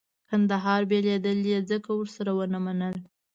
کندهار بېلېدل یې ځکه ورسره ونه منل.